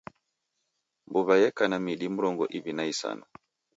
Mbuw'a yeka na midi mrongo iw'i na isanu.